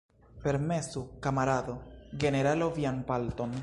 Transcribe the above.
Permesu, kamarado generalo, vian palton.